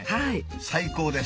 最高です。